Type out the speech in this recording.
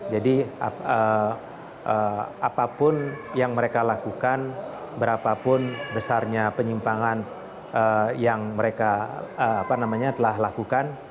jadi apapun yang mereka lakukan berapapun besarnya penyimpangan yang mereka telah lakukan